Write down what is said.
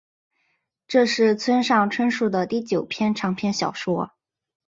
这是村上春树的第九部长篇小说。